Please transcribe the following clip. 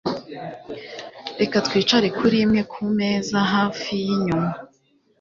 Reka twicare kuri imwe kumeza hafi yinyuma.